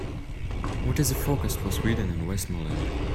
what is the forecast for Sweden in Westmoreland